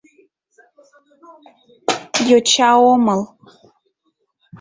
— Йоча омыл.